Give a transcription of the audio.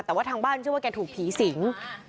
แต่ว่าทางบ้านเชื่อว่าแกถูกผีสิง